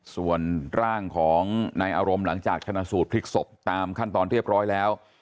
ส่วนร่างของนายอารมณ์หลังจากชนะสูตรพลิกศพตามขั้นตอนเรียบร้อยแล้ว